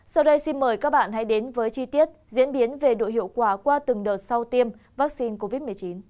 sau đây xin mời các bạn hãy đến với chi tiết diễn biến về độ hiệu quả qua từng đợt sau tiêm vaccine covid một mươi chín